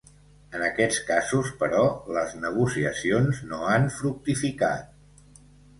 En aquests casos, però, les negociacions no han fructificat.